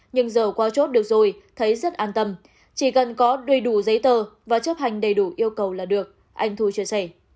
nhưng giờ qua chốt được rồi thấy rất an tâm chỉ cần có đầy đủ giấy tờ và chấp hành đầy đủ yêu cầu là được anh thu chia sẻ